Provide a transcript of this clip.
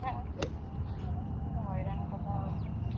Credits adapted from official website.